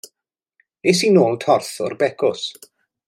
Es i i nôl torth o'r becws.